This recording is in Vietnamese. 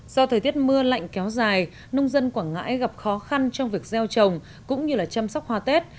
do thời tiết mưa lạnh kéo dài nông dân quảng ngãi gặp khó khăn trong việc gieo trồng cũng như chăm sóc hoa tết